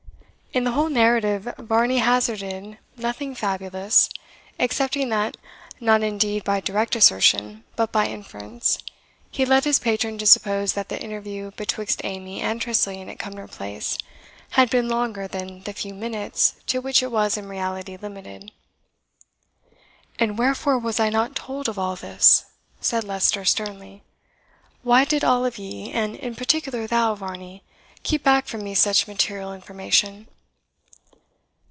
In the whole narrative, Varney hazarded nothing fabulous, excepting that, not indeed by direct assertion, but by inference, he led his patron to suppose that the interview betwixt Amy and Tressilian at Cumnor Place had been longer than the few minutes to which it was in reality limited. "And wherefore was I not told of all this?" said Leicester sternly. "Why did all of ye and in particular thou, Varney keep back from me such material information?"